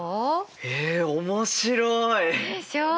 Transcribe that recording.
え面白い！でしょう？